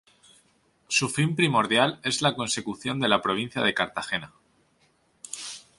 Su fin primordial es la consecución de la provincia de Cartagena.